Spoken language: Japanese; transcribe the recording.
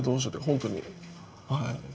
本当にはい。